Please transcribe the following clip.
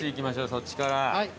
そっちから。